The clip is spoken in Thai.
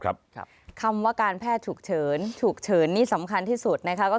คำว่าการแพทย์ฉุกเฉินฉุกเฉินนี่สำคัญที่สุดนะคะก็คือ